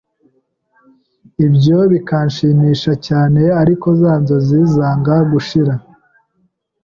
Ibyo bikanshimisha cyane, ariko za nzozi zanga gushira.